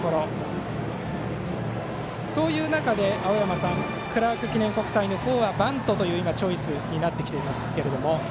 そういう中で、青山さんクラーク記念国際の方はバントというチョイスになっていましたが。